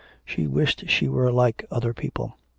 She wished she were like other people.